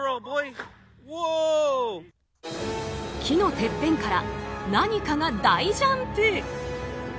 木のてっぺんから何かが大ジャンプ。